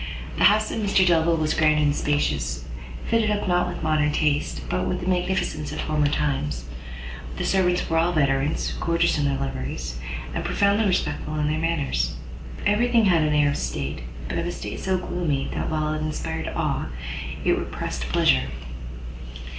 The house of Mr Delvile was grand and spacious, fitted up not with modern taste, but with the magnificence of former times; the servants were all veterans, gorgeous in their liveries, and profoundly respectful in their manners; every thing had an air of state, but of a state so gloomy, that while it inspired awe, it repressed pleasure.